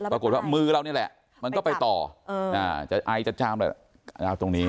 ปรากฏว่ามือเราเนี่ยแหละมันก็ไปต่อจะไอจะจามตรงนี้